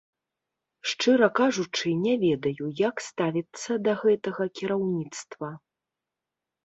Шчыра кажучы, не ведаю, як ставіцца да гэтага кіраўніцтва.